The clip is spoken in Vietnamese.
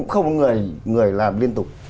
không có người làm liên tục